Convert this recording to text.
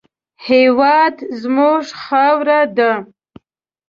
هېواد زموږ خاوره ده